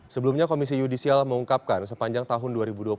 sebelumnya komisi yudisial mengungkapkan sepanjang tahun dua ribu dua puluh